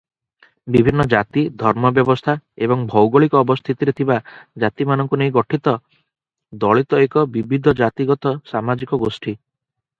ବିଭିନ୍ନ ଜାତି, ଧର୍ମ ବ୍ୟବସ୍ଥା ଏବଂ ଭୌଗୋଳିକ ଅବସ୍ଥିତିରେ ଥିବା ଜାତିମାନଙ୍କୁ ନେଇ ଗଠିତ ଦଳିତ ଏକ ବିବିଧ ଜାତିଗତ ସାମାଜିକ ଗୋଷ୍ଠୀ ।